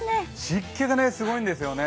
湿気がすごいんですよね。